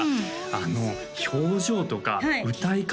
あの表情とか歌い方